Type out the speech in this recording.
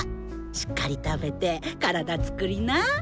しっかり食べて体つくりな。